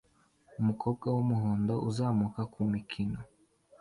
Umukobwa wumuhondo uzamuka kumikino